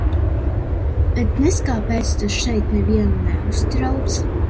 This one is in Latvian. Bet nez kāpēc tas šeit nevienu neuztrauc?